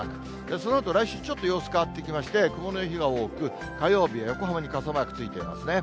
そのあと来週ちょっと様子変わってきまして、曇りの日が多く、火曜日、横浜に傘マークついてますね。